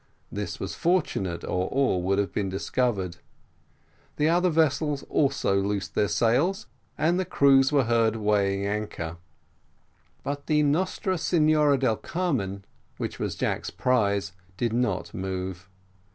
This was fortunate, or all would have been discovered. The other vessels also loosed their sails, and the crews were heard weighing the anchors. But the Nostra Senora del Carmen, which was Jack's prize, did not move.